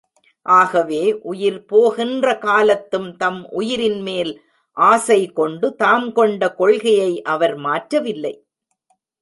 ஆகவே உயிர் போகின்ற காலத்தும் தம் உயிரின்மேல் ஆசை கொண்டு தாம் கொண்ட கொள்கையை அவர் மாற்றவில்லை.